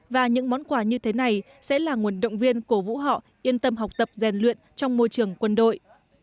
và những món quà như thế này sẽ là nguồn động viên cổ vũ họ yên tâm học tập rèn luyện trong môi trường quân đội